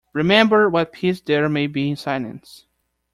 Remember what peace there may be in silence.